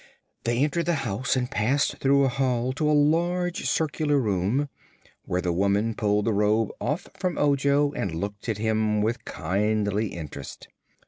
They entered the house and passed through a hall to a large circular room, where the woman pulled the robe off from Ojo and looked at him with kindly interest.